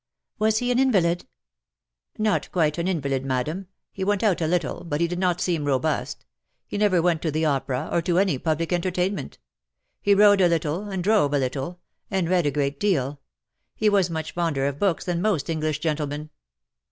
" Was he an invalid T' " Not quite an invalid, Madame. He went out a little — but he did not seem robust. He never went to the opera — or to any public entertainment. He rode a little — and drove a little — and read a great deal. He was much fonder of books than most English gentlemen.